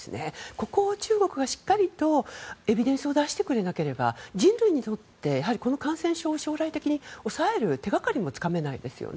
ここを中国がしっかりとエビデンスを出してくれなければ人類にとってやはり感染症を将来的に抑える手がかりもつかめないですよね。